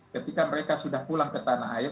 ketika mereka sudah pulang ke tanah air